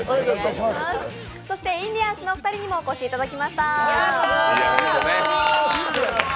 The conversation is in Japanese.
インディアンスのお二人にもお越しいただきました。